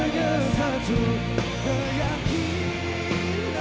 buat kita semua disini